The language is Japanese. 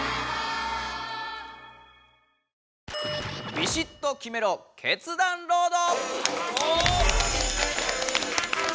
「ビシッと決めろ決断ロード！」。